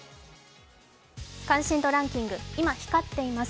関心度ランキング、今光っています